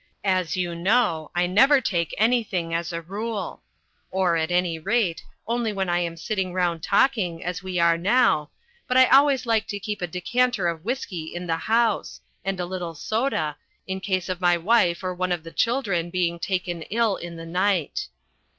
As you know, I never take anything as a rule or, at any rate, only when I am sitting round talking as we are now but I always like to keep a decanter of whisky in the house, and a little soda, in case of my wife or one of the children being taken ill in the night.